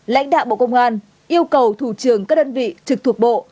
lãnh đạo bộ công an yêu cầu thủ trường các đơn vị trực thuộc bộ